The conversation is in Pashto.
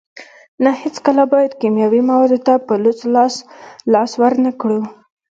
نه هیڅکله باید کیمیاوي موادو ته په لوڅ لاس لاس ورنکړو.